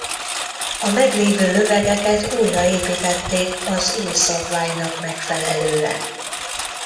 A meglévő lövegeket újraépítették az új szabványnak megfelelően.